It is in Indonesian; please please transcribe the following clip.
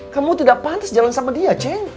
kamu tidak pantas jalan sama dia ceng